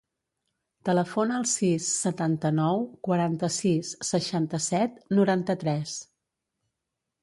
Telefona al sis, setanta-nou, quaranta-sis, seixanta-set, noranta-tres.